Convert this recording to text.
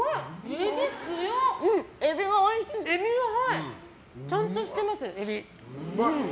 エビがちゃんとしてます。